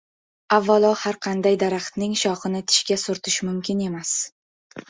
Avvalo har qanday daraxtning shoxini tishga surtish mumkin emas.